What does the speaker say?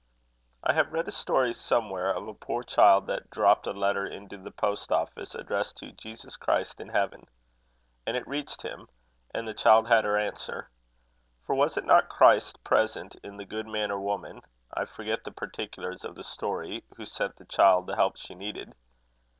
I have read a story somewhere of a poor child that dropped a letter into the post office, addressed to Jesus Christ in Heaven. And it reached him, and the child had her answer. For was it not Christ present in the good man or woman I forget the particulars of the story who sent the child the help she needed?